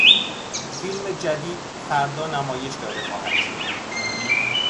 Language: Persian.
فیلم جدید فردا نمایش داده خواهدشد.